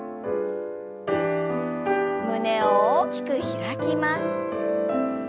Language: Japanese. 胸を大きく開きます。